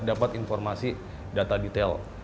dapat informasi data detail